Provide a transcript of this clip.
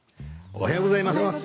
おはようございます。